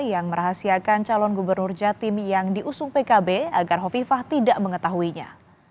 yang merahasiakan calon gubernur jatim yang diusung pkb agar hovifah tidak mengetahuinya